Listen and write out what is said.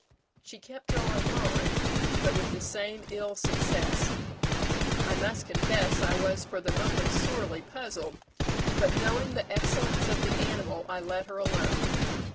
She kept drawing on, but with the same ill success. "I must confess I was for the moment sorely puzzled; but knowing the excellence of the animal, I let her alone.